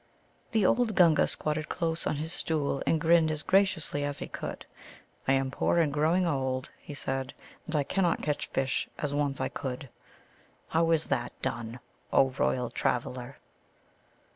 The old Gunga squatted close on his stool, and grinned as graciously as he could. "I am poor and growing old," he said, "and I cannot catch fish as once I could. How is that done, O Royal Traveller?"